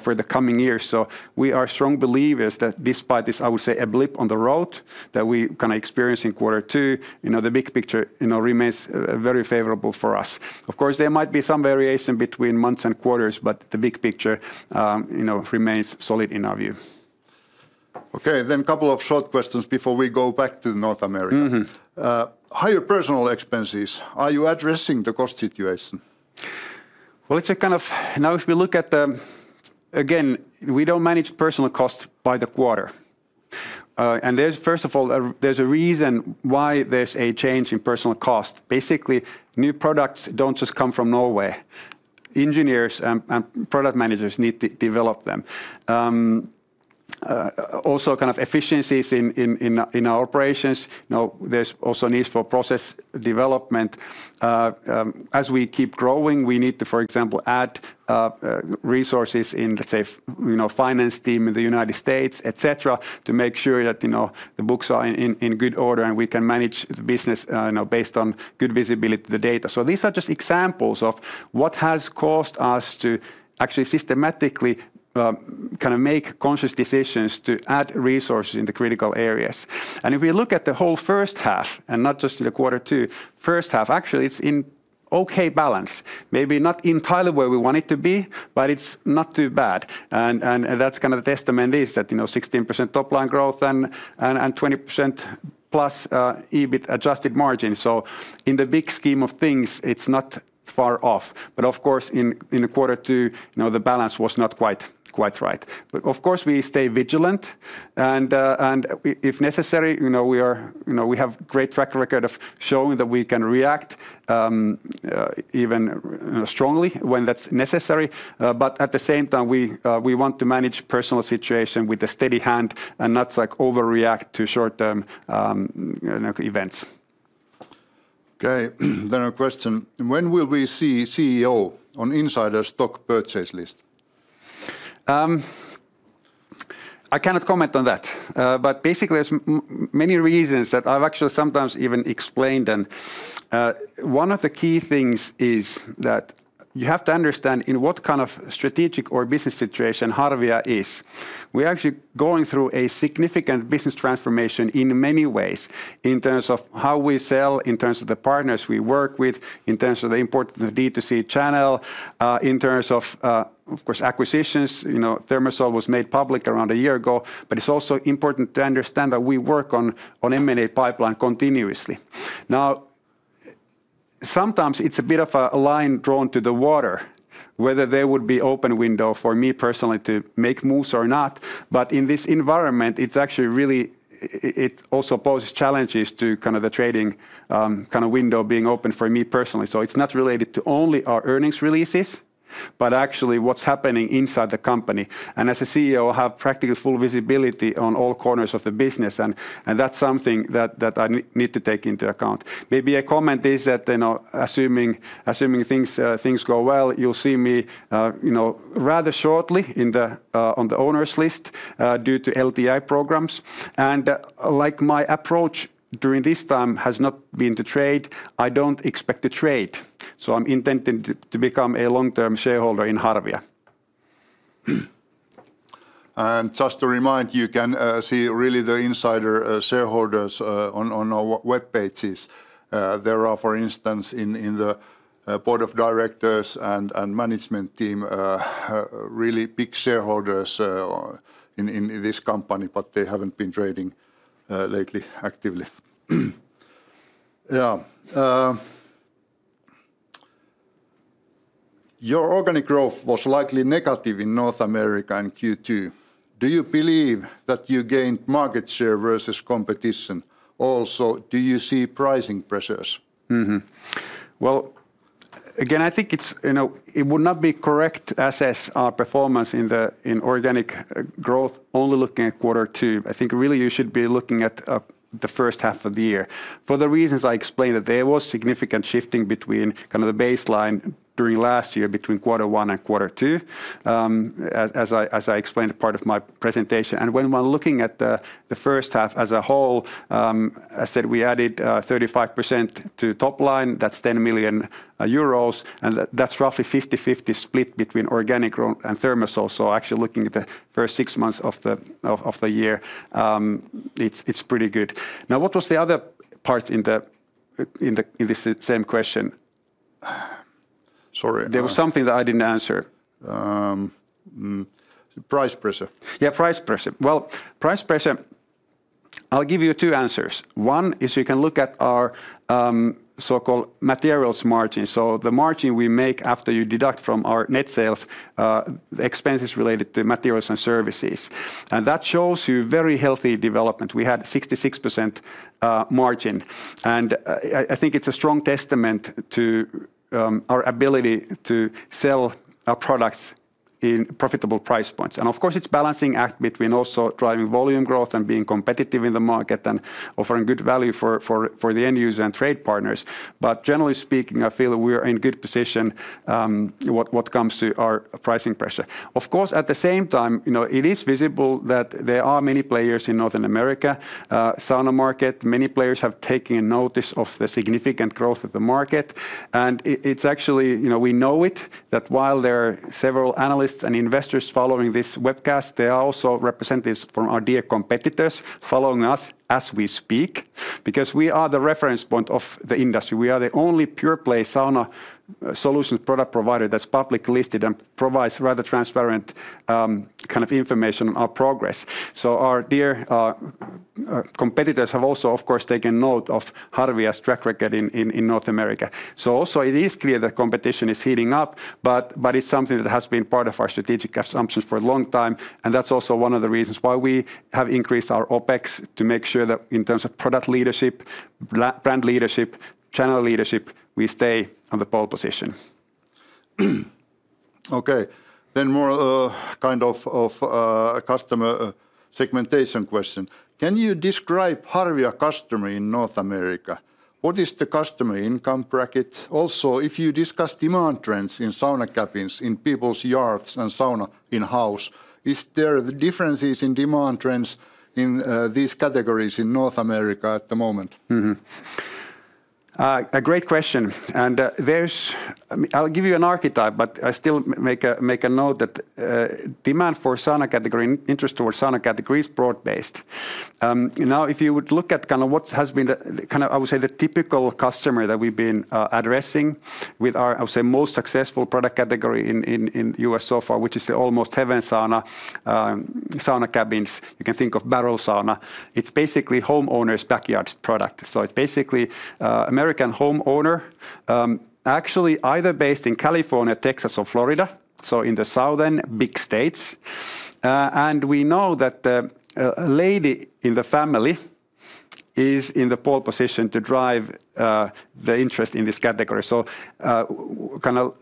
for the coming years. So we are strong believers that despite this, I would say, a blip on the road that we kind of experienced in quarter two, the big picture remains very favorable for us. Of course, there might be some variation between months and quarters, but the big picture remains solid in our view. Okay. Then a couple of short questions before we go back to North America. Higher personnel expenses, are you addressing the cost situation? Well, it's a kind of now if we look at the again, we don't manage personnel costs by the quarter. And there's first of all, there's a reason why there's a change in personnel costs. Basically, new products don't just come from Norway. Engineers and product managers need to develop them. Also kind of efficiencies in our operations, there's also a need for process development. As we keep growing, we need to, for example, add resources in, let's say, finance team in The United States, etcetera, to make sure that the books are in good order and we can manage the business based on good visibility of the data. So these are just examples of what has caused us to actually systematically kind of make conscious decisions to add resources in the critical areas. And if we look at the whole first half and not just in the quarter two, first half, actually it's in okay balance, Maybe not entirely where we want it to be, but it's not too bad. And that's kind of the testament is that 16% top line growth and 20% plus EBIT adjusted margin. So in the big scheme of things, it's not far off. But of course, in the quarter two, the balance was not quite right. But of course, we stay vigilant. And if necessary, we are we have great track record of showing that we can react even strongly when that's necessary. But at the same time, we want to manage personal situation with a steady hand and not like overreact to short term events. Okay. Then a question. When will we see CEO on insider stock purchase list? I cannot comment on that. But basically, there's many reasons that I've actually sometimes even explained. And one of the key things is that you have to understand in what kind of strategic or business situation Harvaya is. We're actually going through a significant business transformation in many ways in terms of how we sell, in terms of the partners we work with, in terms of the importance of the D2C channel, in terms of, of course, acquisitions. Thermosol was made public around a year ago, but it's also important to understand that we work on M and A pipeline continuously. Now sometimes it's a bit of a line drawn to the water, whether there would be open window for me personally to make moves or not. But in this environment, it's actually really it also poses challenges to kind of the trading kind of window being open for me personally. So it's not related to only our earnings releases, but actually what's happening inside the company. And as a CEO, I have practical full visibility on all corners of the business, And that's something that I need to take into account. Maybe a comment is that assuming things go well, you'll see me rather shortly in the on the owners' list due to LTI programs. And like my approach during this time has not been to trade, I don't expect to trade. So I'm intending to become a long term shareholder in Harvja. And just to remind you, you can see really the insider shareholders on our web pages. There are, for instance, in the Board of Directors and management team really big shareholders in this company, but they haven't been trading lately actively. Yes. Your organic growth was slightly negative in North America in Q2. Do you believe that you gained market share versus competition? Also, do you see pricing pressures? Well, again, I think it's it would not be correct to assess our performance in the in organic growth only looking at quarter two. I think really you should be looking at the first half of the year. For the reasons I explained that there was significant shifting between kind of the baseline during last year between quarter one and quarter two, as I explained in part of my presentation. And when we're looking at the first half as a whole, I said we added 35% to top line. That's €10,000,000 And that's roughly fifty-fifty split between organic growth and thermal coal. So actually looking at the first six months of the year, it's pretty good. Now what was the other part in the in this same question? Sorry. There was something that I didn't answer. Price pressure. Yes, price pressure. Well, pressure, I'll give you two answers. One is you can look at our so called materials margin. So the margin we make after you deduct from our net sales expenses related to Materials and Services. And that shows you very healthy development. We had 66% margin. And I think it's a strong testament to our ability to sell our products in profitable price points. And of course, it's balancing act between also driving volume growth and being competitive in the market and offering good value for the end user and trade partners. But generally speaking, I feel that we are in a good position what comes to our pricing pressure. Of course, at the same time, it is visible that there are many players in Northern America, Sauna market. Many players have taken notice of the significant growth of the market. And it's actually we know it that while there are several analysts and investors following this webcast, there are also representatives from our dear competitors following us as we speak because we are the reference point of the industry. We are the only pure play sauna solutions product provider that's publicly listed and provides rather transparent kind of information on our progress. So our dear competitors have also, of course, taken note of how do we have track record in North America. So also it is clear that competition is heating up, but it's something that has been part of our strategic assumptions for a long time. And that's also one of the reasons why we have increased our OpEx to make sure that in terms of product leadership, brand leadership, channel leadership, we stay on the pole position. Okay. Then more kind of customer segmentation question. Can you describe Harvaya customer in North America? What is the customer income bracket? Also, if you discuss demand trends in sauna cabins in people's yards and sauna in house, is there differences in demand trends in these categories in North America at the moment? A great question. And there's I'll give you an archetype, but I still make a note that demand for SANA category interest towards SANA category is broad based. Now if you would look at kind of what has been the kind of, I would say, the typical customer that we've been addressing with our, I would say, most successful product category in U. S. So far, which is the almost heaven sauna cabins, You can think of Barrel sauna. It's basically homeowners' backyard product. So it's basically American homeowner actually either based in California, Texas or Florida, so in the Southern big states. And we know that the lady in the family is in the pole position to drive the interest in this category. So kind of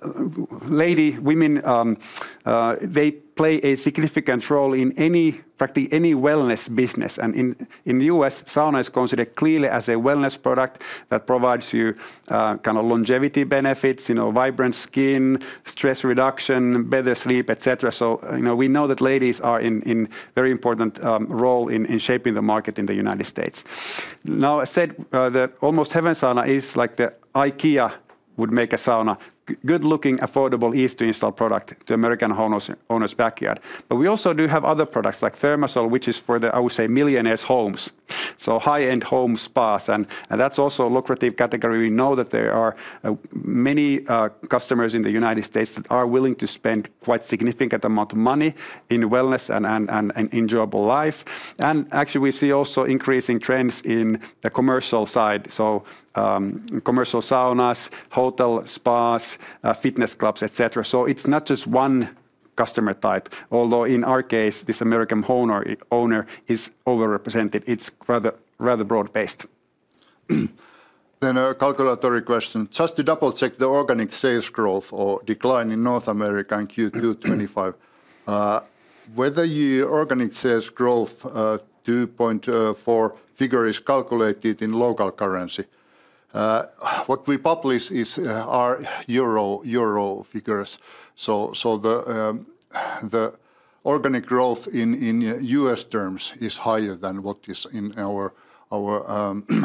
lady women, they play a significant role in any practically any wellness business. And in The U. S, sauna is considered clearly as a wellness product that provides you kind of longevity benefits, vibrant skin, stress reduction, better sleep, etcetera. So we know that ladies are in very important role in shaping the market in The United States. Now I said that almost heaven sauna is like the IKEA would make a sauna, good looking affordable easy to install product to American owners' backyard. But we also do have other products like Thermacell, which is for the, I would say, millionaires' homes, so high end home spas. And that's also a lucrative category. We know that there are many customers in The United States that are willing to spend quite significant amount of money in wellness and enjoyable life. And actually, we see also increasing trends in the commercial side, so commercial saunas, hotel, spas, fitness clubs, etcetera. So it's not just one customer type, although in our case, this American owner is overrepresented. It's rather broad based. Then a calculatory question. Just to double check the organic sales growth or decline in North America in Q2 twenty twenty five. Whether your organic sales growth 2.4 figure is calculated in local currency, What we publish is our euro figures. So the organic growth in U. S. Terms is higher than what is in our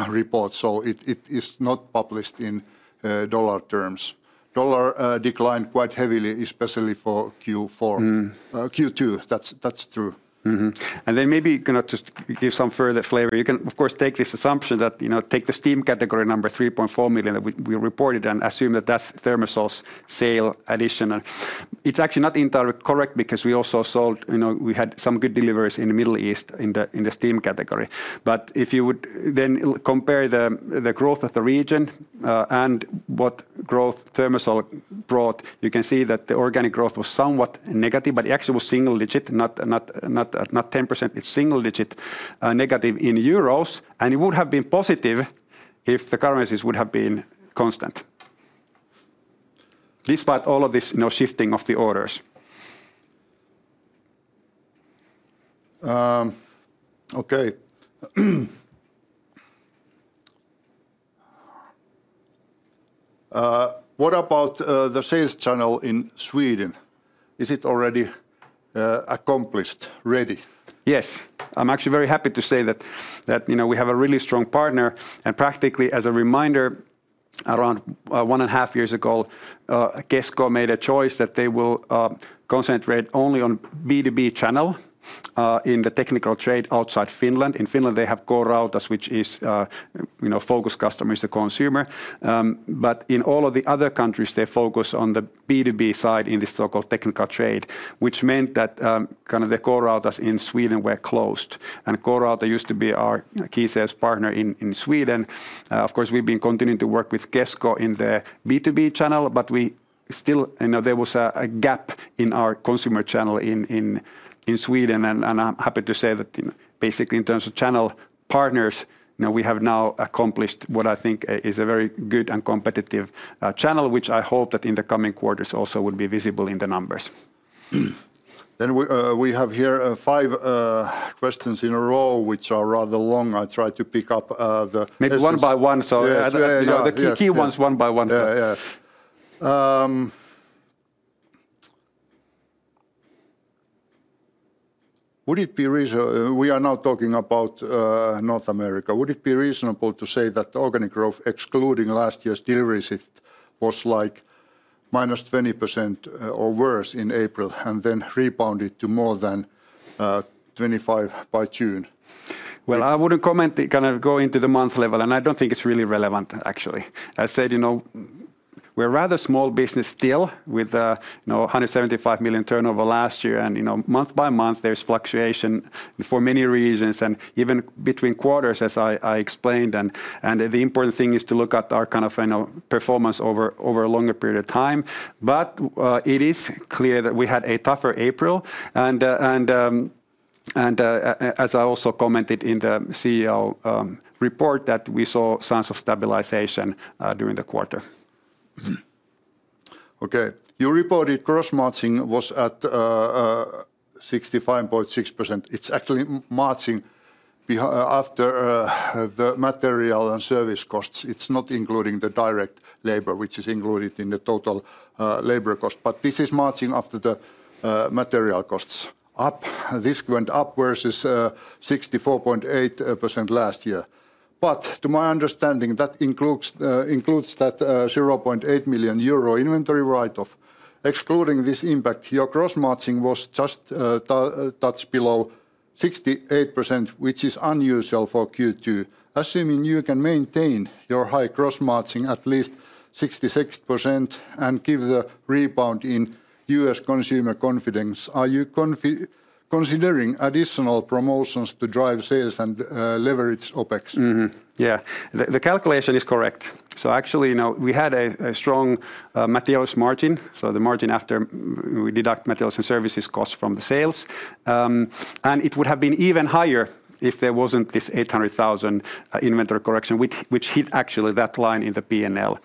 report. So it is not published in dollar terms. Dollar declined quite heavily, especially for Q4 Q2. That's true. And then maybe you cannot just give some further flavor. You can of course take this assumption that take the steam category number €3,400,000 that we reported and assume that that's Thermacell's sale addition. It's actually not incorrect because we also sold we had some good deliveries in The Middle East in the steam category. But if you would then compare the growth of the region and what growth Thermosol brought, you can see that the organic growth was somewhat negative, but actually was single digit not 10%, it's single digit negative in euros. It And would have been positive if the currencies would have been constant, despite all of this shifting of the orders. Okay. What about the sales channel in Sweden? Is it already accomplished, ready? Yes. I'm actually very happy to say that we have a really strong partner. And practically, as a reminder, around one point five years ago, GESCO made a choice that they will concentrate only on B2B channel in the technical trade outside Finland. In Finland, they have core routers, which is focused customers to consumer. But in all of the other countries, focus on the B2B side in the so called technical trade, which meant that kind of the core routers in Sweden were closed. And core router used to be our key sales partner in Sweden. Of course, we've been continuing to work with GESSCO in the B2B channel, but we still there was a gap in our consumer channel in Sweden. And I'm happy to say that basically in terms of channel partners, we have now accomplished what I think is a very good and competitive channel, which I hope that in the coming quarters also would be visible in the numbers. Then we have here five questions in a row, which are rather long. I'll try to pick up Maybe one by one. The key ones one by one. Would it be we are now talking about North America. Would it be reasonable to say that the organic growth excluding last year's deal receipt was like minus 20% or worse in April and then rebounded to more than 25% by June? Well, I wouldn't comment kind of going to the month level, and I don't think it's really relevant actually. As I said, we're a rather small business still with 175,000,000 turnover last year. And month by month, there's fluctuation for many reasons and even between quarters, as I explained. And the important thing is to look at our kind of performance over a longer period of time. But it is clear that we had a tougher April. And as I also commented in the CEO report that we saw signs of stabilization during the quarter. Okay. Your reported gross margin was at 65.6%. It's actually marching after the material and service costs. It's not including the direct labor, which is included in the total labor cost. But this is marching after the material costs up. This went up versus 64.8% last year. But to my understanding, that includes that 800,000.0 euro inventory write off. Excluding this impact, your gross margin was just touch below 68, which is unusual for Q2, Assuming you can maintain your high gross margin at least 66% and give the rebound in U. S. Consumer confidence, are you considering additional promotions to drive sales and leverage OpEx? Yes. The calculation is correct. So actually, we had a strong Materials margin, so the margin after we deduct Materials and Services costs from the sales. And it would have been even higher if there wasn't this €800,000 inventory correction, which hit actually that line in the P and L.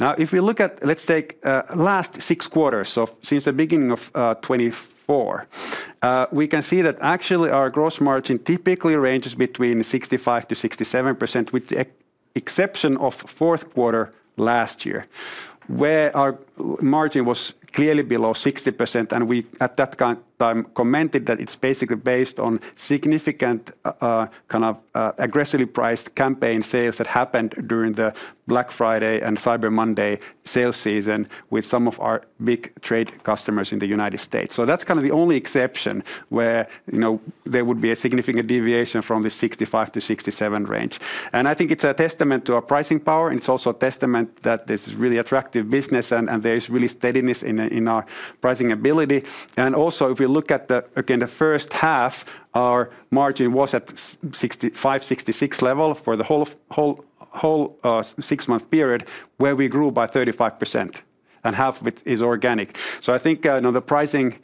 Now if we look at let's take last six quarters, so since the 2024, we can see that actually our gross margin typically ranges between 65% to 67% with the exception of fourth quarter last year, where our margin was clearly below 60%. And we at that time, commented that it's basically based on significant kind of aggressively priced campaign sales that happened during the Black Friday and Cyber Monday sales season with some of our big trade customers in The United States. So that's kind of the only exception where there would be a significant deviation from the 65% to 67% range. And I think it's a testament to our pricing power. It's also a testament that this is really attractive business and there is really steadiness in our pricing ability. And also if you look at the again the first half, our margin was at 65%, 66% level for the whole six month period where we grew by 35% and half of it is organic. So I think the pricing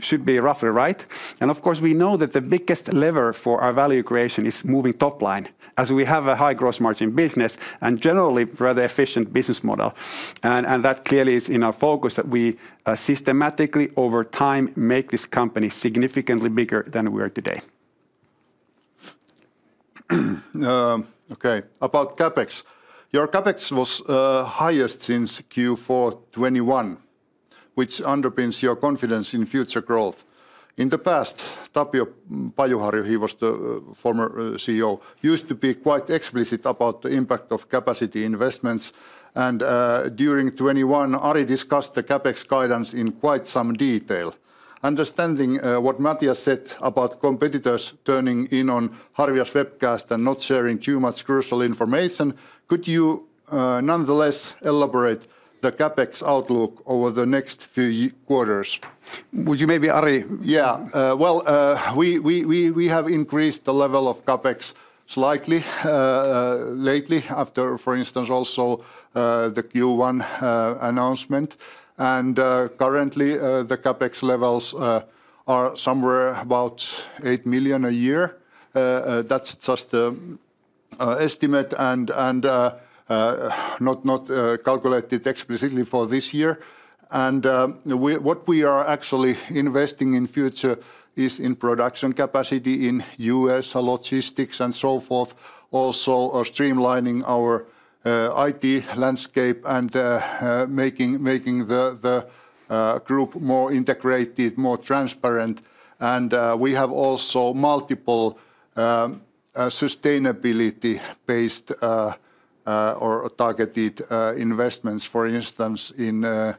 should be roughly right. And of course, we know that the biggest lever for our value creation is moving top line as we have a high gross margin business and generally rather efficient business model. And that clearly is in our focus that we systematically over time make this company significantly bigger than we are today. Okay. About CapEx. Your CapEx was highest since Q4 twenty twenty one, which underpins your confidence in future growth. In the past, Tapio Paio Hari, he was the former CEO, used to be quite explicit about the impact of capacity investments. And during 2021, Ari discussed the CapEx guidance in quite some detail. Understanding what Matthias said about competitors turning in on Harvias webcast and not sharing too much crucial information, could you nonetheless elaborate the CapEx outlook over the next few quarters? Would you maybe, Ari? Yes. Well, we have increased the level of CapEx slightly lately after, for instance, also the Q1 announcement. And currently, the CapEx levels are somewhere about 8,000,000 a year. That's just an estimate and not calculated explicitly for this year. And what we are actually investing in future is in production capacity in U. S, logistics and so forth, also streamlining our IT landscape and making the group more integrated, more transparent. And we have also multiple sustainability based or targeted investments, for instance, in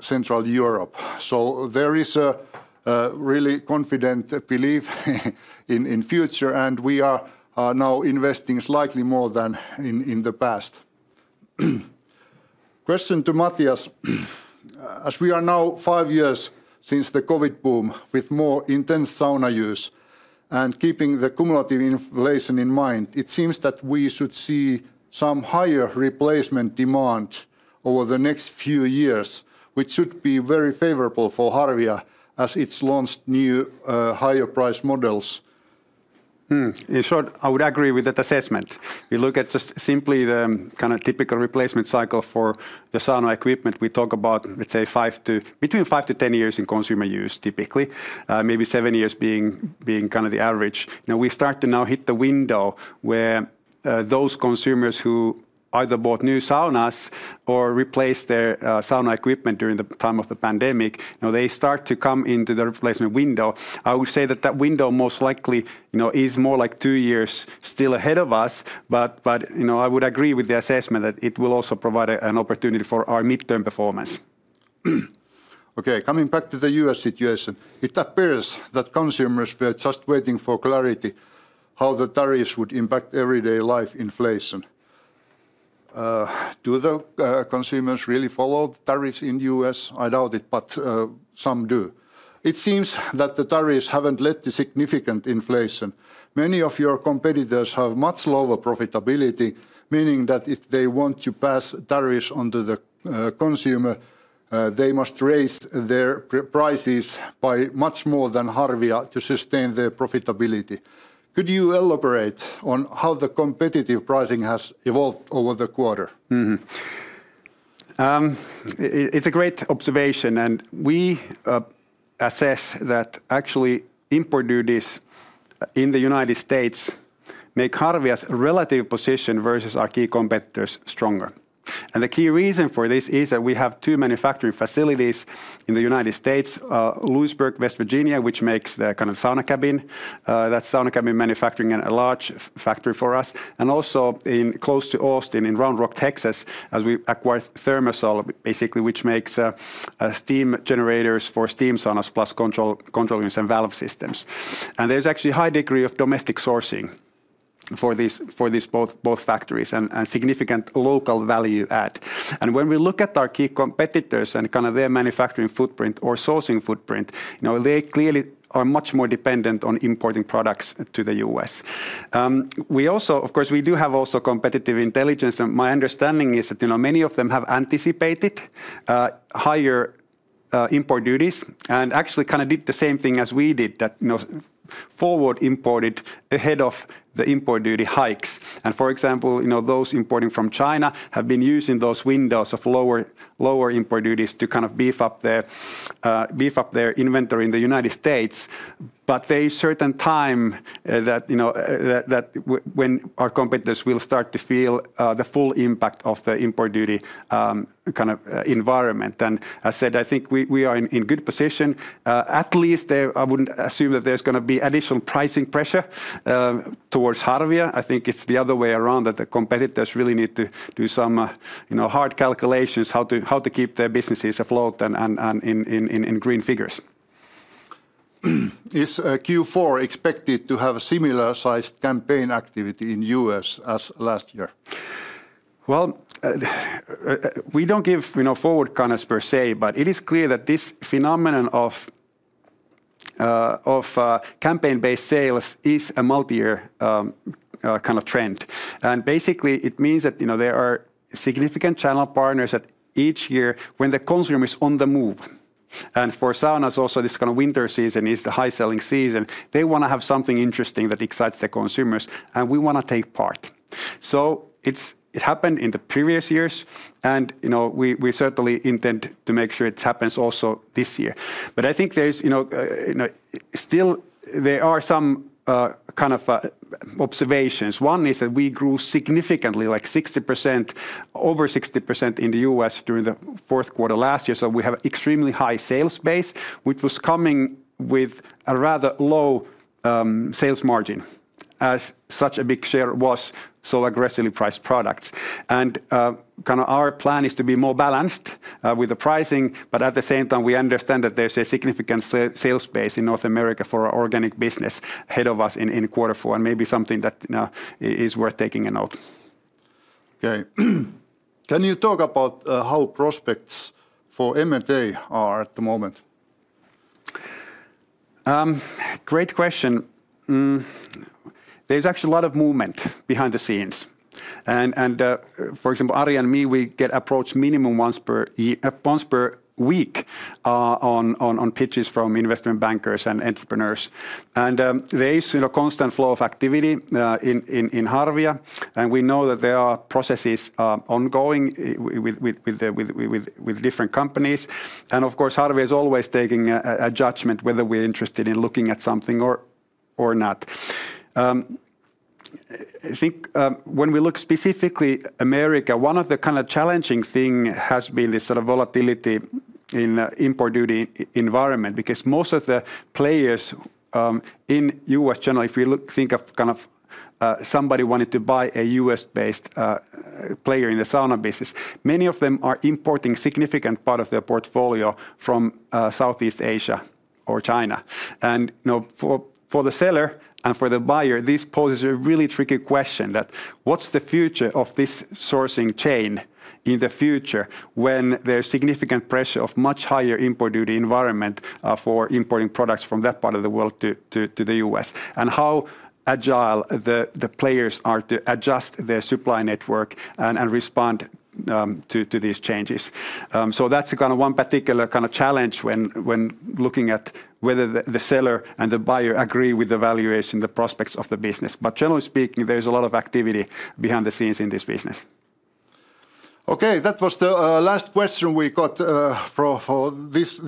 Central Europe. So there is a really confident belief in future, and we are now investing slightly more than in the past. Question to Matthias. As we are now five years since the COVID boom with more intense sauna use and keeping the cumulative inflation in mind, it seems that we should see some higher replacement demand over the next few years, which should be very favorable for Harvia as it's launched new higher priced models. In short, I would agree with that assessment. If you look at just simply the kind of typical replacement cycle for the sauna equipment, we talk about, let's say, five to between five to ten years in consumer use typically, maybe seven years being kind of the average. We start to now hit the window where those consumers who either bought new saunas or replaced their sauna equipment during the time of the pandemic, they start to come into the replacement window. I would say that that window most likely is more like two years still ahead of us, but I would agree with the assessment that it will also provide an opportunity for our midterm performance. Okay. Coming back to The U. S. Situation. It appears that consumers were just waiting for clarity how the tariffs would impact everyday life inflation. Do the consumers really follow the tariffs in The U. S? I doubt it, but some do. It seems that the tariffs haven't led to significant inflation. Many of your competitors have much lower profitability, meaning that if they want to pass tariffs onto the consumer, they must raise their prices by much more than Harviya to sustain their profitability. Could you elaborate on how the competitive pricing has evolved over the quarter? It's a great observation. And we assess that actually import duties in The United States make Harvia's relative position versus our key competitors stronger. And the key reason for this is that we have two manufacturing facilities in The United States Lewisburg, West Virginia, which makes kind of Sauna Cabin. That's Sauna Cabin manufacturing a large factory for us. And also in close to Austin in Round Rock Texas as we acquired Thermosol basically which makes steam generators for steam saunas plus control units and valve systems. And there's actually a high degree of domestic sourcing for these both factories and significant local value add. And when we look at our key competitors and kind of their manufacturing footprint or sourcing footprint, they clearly are much more dependent on importing products to The U. S. We also of course, we do have competitive intelligence. And my understanding is that many of them have anticipated higher import duties and actually kind of did the same thing as we did that forward imported ahead of the import duty hikes. And for example, those importing from China have been using those windows of lower import duties to kind of beef up their inventory in The United States. But there is certain time that when our competitors will start to feel the full impact of the import duty kind of environment. And as said, I think we are in good position. At least I wouldn't assume that there's going to be additional pricing pressure towards Harvie. I think it's the other way around that the competitors really need to do some hard calculations how to keep their businesses afloat and in green figures. Is Q4 expected to have a similar sized campaign activity in U. S. As last year? Well, we don't give forward comments per se, but it is clear that this phenomenon of campaign based sales is a multiyear kind of trend. And basically, it means that there are significant channel partners that each year when the consumer is on the move. And for Saunas also this kind of winter season is the high selling season. They want to have something interesting that excites the consumers and we want to take part. So it happened in the previous years and we certainly intend to make sure it happens also this year. But I think there is still there are some kind of observations. One is that we grew significantly like 60% over 60% in The U. S. During the fourth quarter last year. So we have extremely high sales base, which was coming with a rather low sales margin as such a big share was so aggressively priced products. And kind of our plan is to be more balanced with the pricing, but at the same time, we understand that there's a significant sales base in North America for our organic business ahead of us in quarter four and maybe something that is worth taking a note. Okay. Can you talk about how prospects for M and A are at the moment? Great question. There's actually a lot of movement behind the scenes. And for example, Ari and me, we get approached minimum once per week on pitches from investment bankers and entrepreneurs. And there is still a constant flow of activity in Harvaya, and we know that there are processes ongoing with different companies. And of course, hardware is always taking a judgment whether we're interested in looking at something or not. I think when we look specifically America, one of the kind of challenging thing has been this sort of volatility in import duty environment because most of the players in U. S. Generally, if you look think of kind of somebody wanted to buy a U. S.-based player in the sauna business, many of them are importing significant part of their portfolio from Southeast Asia or China. And for the seller and for the buyer, this poses a really tricky question that what's the future of this sourcing chain in the future when there's significant pressure of much higher import duty environment for importing products from that part of the world to The U. S? And how agile the players are to adjust their supply network and respond to these changes. So that's kind of one particular kind of challenge when looking at whether the seller and the buyer agree with the valuation, the prospects of the business. But generally speaking, there's a lot of activity behind the scenes in this business. Okay. That was the last question we got for this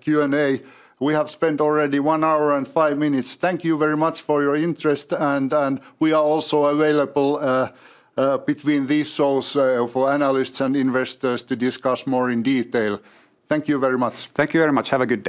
Q and A. We have spent already one hour and five minutes. Thank you very much for your interest. And we are also available between these shows for analysts and investors to discuss more in detail. Thank you very much. Thank you very much. Have a good